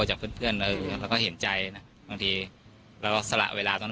จากเพื่อนเออแล้วก็เห็นใจนะบางทีแล้วก็สละเวลาตรงนั้น